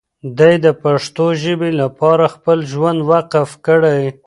دی د پښتو ژبې لپاره خپل ژوند وقف کړی.